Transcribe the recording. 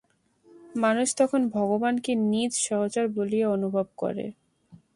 মানুষ তখন ভগবানকে নিজ সহচর বলিয়া অনুভব করে।